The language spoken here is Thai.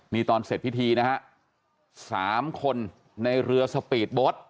นี่ตอนเสร็จพิธีนะฮะสามคนในเรือสปีดโบ๊ท